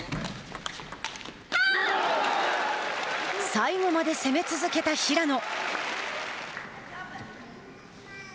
最後まで攻め続けた平野。